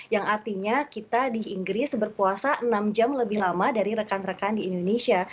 yang artinya kita di inggris berpuasa enam jam lebih lama dari rekan rekan di indonesia